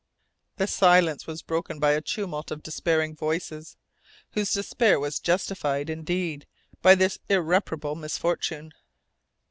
The silence was broken by a tumult of despairing voices, whose despair was justified indeed by this irreparable misfortune!